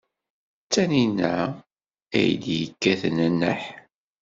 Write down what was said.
D Tanina ay yekkaten nneḥ.